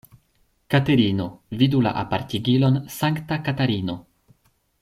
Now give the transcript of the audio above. Katerino vidu la apartigilon Sankta Katarino.